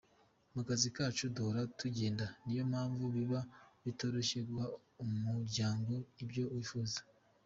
Mu kazi kacu duhora tugenda niyo mpamvu biba bitoroshye guha umuryango ibyo wifuza.